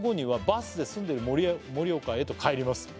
「バスで住んでいる盛岡へと帰ります」